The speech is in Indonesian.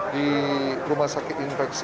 di rumah sakit infeksi